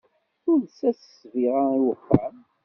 Tules-as ssbiɣa i wexxam.